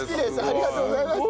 ありがとうございます！